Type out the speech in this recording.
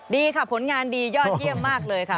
ดีค่ะผลงานดียอดเยี่ยมมากเลยค่ะ